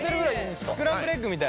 スクランブルエッグみたい。